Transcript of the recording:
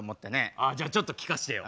あじゃあちょっと聞かしてよ。